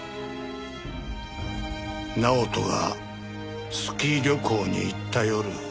直人がスキー旅行に行った夜。